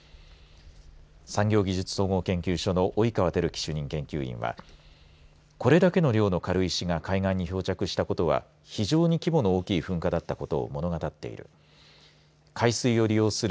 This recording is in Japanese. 産業技術総合研究所の及川輝樹主任研究員はこれだけの量の軽石が海岸に漂着したことは非常に規模の大きい噴火だったことを物語っている。